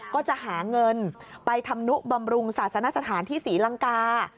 ก็จะหาเงินไปทำนุบำรุงศาสนสถานที่ศรีลังกา